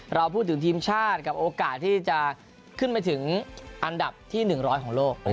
เราพูดถึงทีมชาติกับโอกาสที่จะขึ้นไปถึงอันดับที่๑๐๐ของโลก